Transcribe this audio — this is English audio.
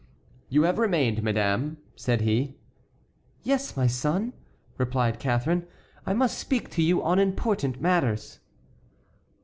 "You have remained, madame?" said he. "Yes, my son," replied Catharine, "I must speak to you on important matters."